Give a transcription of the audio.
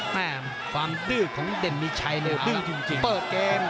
แม่นความดื้อของเด็นมีชัยโดยวิ้งเปิดเกม